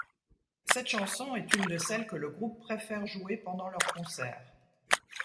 Cette chanson est une de celles que le groupe préfère jouer pendant leurs concerts.